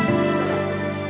aku kasih tau